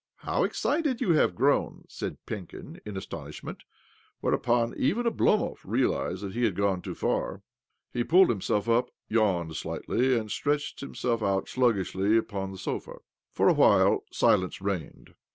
" How excited you have grown !" said Penkin in astonishment ; whereupon even Oblomov realized that he had gone too far. He pulled himself up, yawned slightly, and stretched himself out sluggishly upon the sofa. For a while silence reigned.